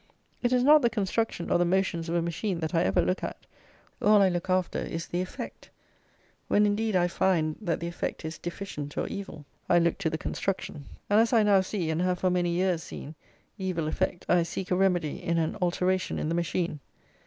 It is not the construction or the motions of a machine that I ever look at: all I look after is the effect. When, indeed, I find that the effect is deficient or evil, I look to the construction. And, as I now see, and have for many years seen, evil effect, I seek a remedy in an alteration in the machine.